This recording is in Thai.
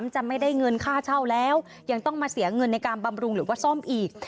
จะไม่ได้เงินค่าเช่าแล้วยังต้องมาเสียเงินในการบำรุงหรือว่าซ่อมอีก